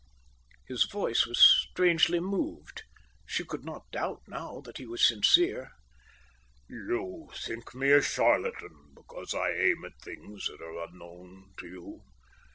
His voice was strangely moved. She could not doubt now that he was sincere. "You think me a charlatan because I aim at things that are unknown to you.